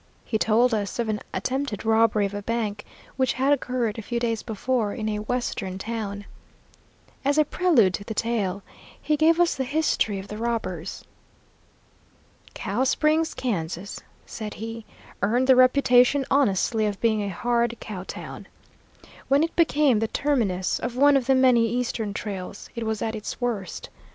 He told us of an attempted robbery of a bank which had occurred a few days before in a western town. As a prelude to the tale, he gave us the history of the robbers. "Cow Springs, Kansas," said he, "earned the reputation honestly of being a hard cow town. When it became the terminus of one of the many eastern trails, it was at its worst.